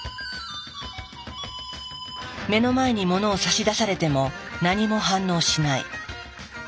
目の前に物を差し出されても何も反応しない。